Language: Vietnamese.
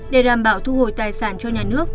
để đảm bảo thu hồi tài sản cho nhà nước